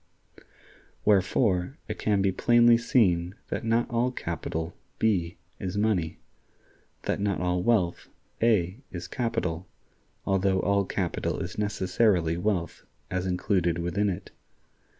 Wherefore, it can be plainly seen that not all capital, B, is money; that not all wealth, A, is capital, although all capital is necessarily wealth as included within it.